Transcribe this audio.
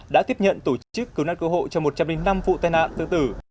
đã tiếp nhận tổ chức cầu nạn cầu hộ trong một trăm linh năm vụ tai nạn tự tử